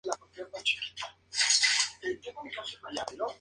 Más tarde participó en el reality show "Outback Jack".